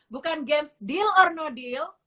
bukan games deal or no deal